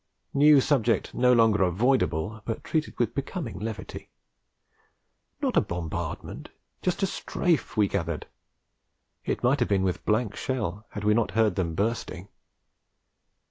New subject no longer avoidable, but treated with becoming levity. Not a bombardment, just a Strafe, we gathered; it might have been with blank shell, had we not heard them bursting.